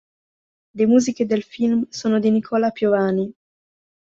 Le musiche del film sono di Nicola Piovani.